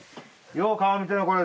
よう顔見てやこれ。